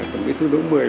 tổng thủ đỗ mười